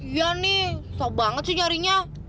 iya nih susah banget sih nyarinya